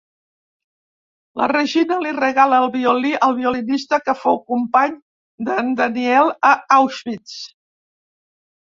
La Regina li regala el violí al violinista que fou company d'en Daniel a Auschwitz.